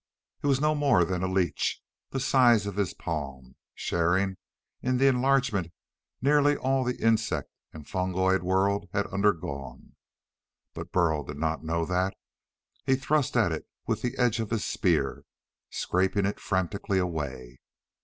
It was no more than a leech, the size of his palm, sharing in the enlargement nearly all the insect and fungoid world had undergone, but Burl did not know that. He thrust at it with the edge of his spear, scraping it frantically away.